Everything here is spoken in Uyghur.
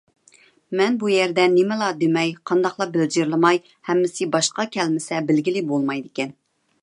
مەن بۇ يەردە نېمىلا دېمەي، قانداقلا بىلجىرلىماي، ھەممىسى باشقا كەلمىسە بىلگىلى بولمايدىكەن.